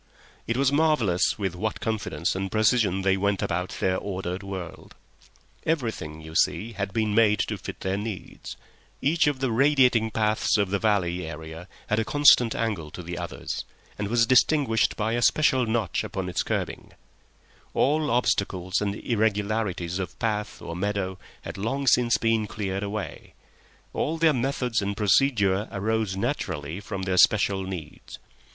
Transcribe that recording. It was marvellous with what confidence and precision they went about their ordered world. Everything, you see, had been made to fit their needs; each of the radiating paths of the valley area had a constant angle to the others, and was distinguished by a special notch upon its kerbing; all obstacles and irregularities of path or meadow had long since been cleared away; all their methods and procedure arose naturally from their special needs.